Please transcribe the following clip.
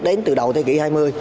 đến từ đầu thế kỷ hai mươi